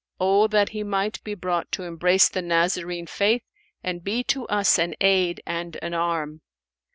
Oh that he might be brought to embrace the Nazarene Faith and be to us an aid and an arm!"